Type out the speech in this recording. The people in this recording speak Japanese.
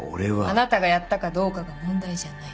あなたがやったかどうかが問題じゃない。